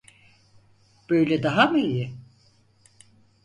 Böyle daha mı iyi?